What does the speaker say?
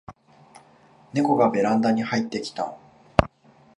ネコがベランダに入ってきた